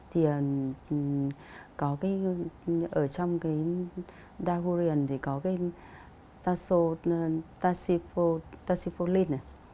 thì có cái ở trong cái diagurian thì có cái taso tasifol tasifolin này